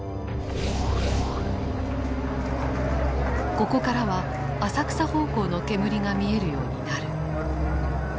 ここからは浅草方向の煙が見えるようになる。